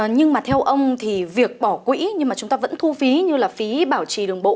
nhưng mà theo ông thì việc bỏ quỹ nhưng mà chúng ta vẫn thu phí như là phí bảo trì đường bộ